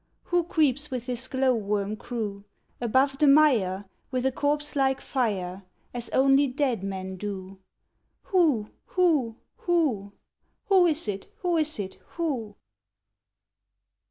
Who creeps with his glow worm crew Above the mire With a corpse light fire, As only dead men do? Who, who, who! Who is it, who is it, who?"